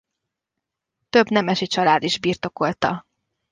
Több nemesi család is birtokolta.